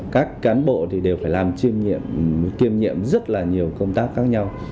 các cán bộ thì đều phải làm kiêm nhiệm rất là nhiều công tác khác nhau